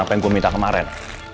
apa yang gue minta kemarin